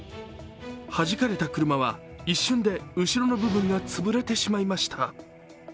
はじかれた車は一瞬で後ろの部分がつぶれてしまいました。